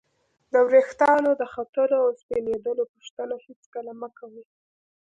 د ورېښتانو د ختلو او سپینېدلو پوښتنه هېڅکله مه کوئ!